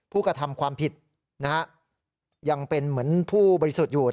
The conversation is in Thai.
กระทำความผิดนะฮะยังเป็นเหมือนผู้บริสุทธิ์อยู่